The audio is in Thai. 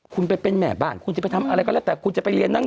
คุณไปเป็นแม่บ้านคุณจะไปทำอะไรก็แล้วแต่คุณจะไปเรียนนั่ง